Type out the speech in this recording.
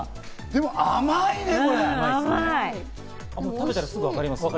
でも甘いね！